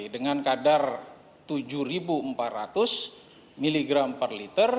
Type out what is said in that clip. dengan kadar tujuh ribu empat ratus miligram per liter